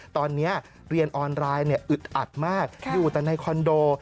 ตอนนี้เรียนออนไลน์อึดอัดมากอยู่แต่ในคอนโด